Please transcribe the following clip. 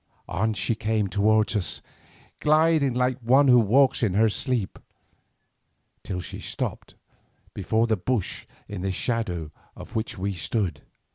On she came toward us, gliding like one who walks in her sleep, till she stopped before the bush in the shadow of which we stood.